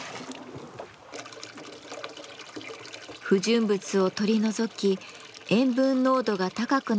不純物を取り除き塩分濃度が高くなった海水を抽出します。